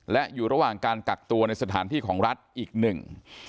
และอยู่ระหว่างการกักตัวในสถานที่ของรัฐอีกหนึ่ง